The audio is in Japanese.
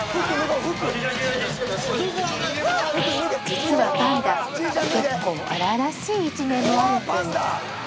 実はパンダ結構荒々しい一面もあるんです